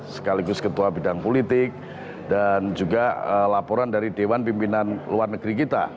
sekaligus ketua bidang politik dan juga laporan dari dewan pimpinan luar negeri kita